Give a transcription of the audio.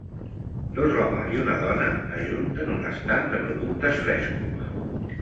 Dos homes i una dona ajunten un estand de productes frescos.